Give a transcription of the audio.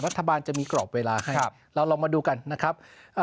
รัฐบาลจะมีกรอบเวลาให้เราลองมาดูกันนะครับ